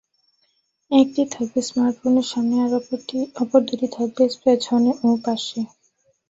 একটি থাকবে স্মার্টফোনের সামনে আর অপর দুটি থাকবে পেছনে ও পাশে।